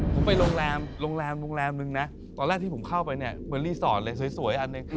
ผมไปโรงแรมโรงแรมโรงแรมโรงแรมนึงนะตอนแรกที่ผมเข้าไปเนี่ยเหมือนรีสอร์ทเลยสวยอันหนึ่ง